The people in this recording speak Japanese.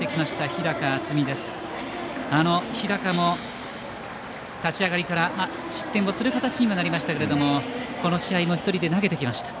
日高も立ち上がりから失点をする形にはなりましたけれどもこの試合を１人で投げてきました。